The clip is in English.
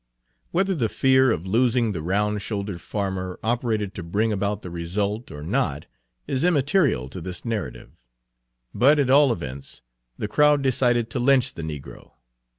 Whether the fear of losing the round shouldered farmer operated to bring about the result or not is immaterial to this narrative; but, at all events, the crowd decided to lynch the negro.